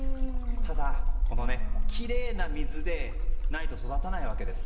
ただ、きれいな水でないと育たないわけです。